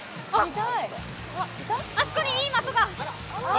あそこに、いい的が。